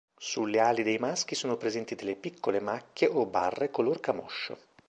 Sulle ali dei maschi sono presenti delle piccole macchie o barre color camoscio.